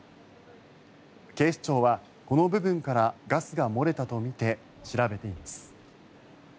警視庁はこの部分からガスが漏れたとみて調べています。